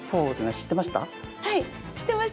はい知ってました。